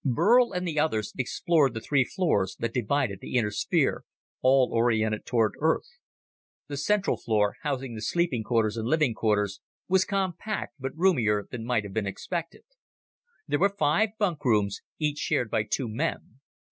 Burl and the others explored the three floors that divided the inner sphere, all oriented toward Earth. The central floor, housing the sleeping quarters and living quarters, was compact but roomier than might have been expected. There were five bunkrooms, each shared by two men.